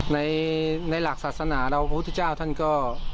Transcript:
ในหลักศาสนาเราพระพุทธเจ้าท่านก็